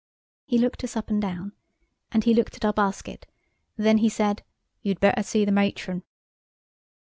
He looked us up and down, and he looked at our basket, then he said: "You'd better see the Matron."